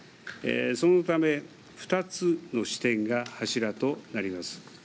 そのため２つの視点が柱となります。